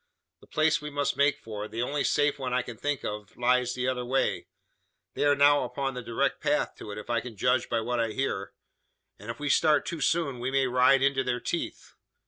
The place we must make for the only safe one I can think of lies the other way. They are now upon the direct path to it, if I can judge by what I hear; and, if we start too soon, we may ride into their teeth.